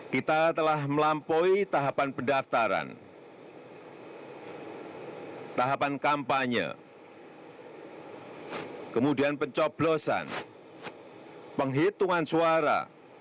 kita telah melampaui tahapan pendaftaran tahapan kampanye kemudian pencoblosan penghitungan suara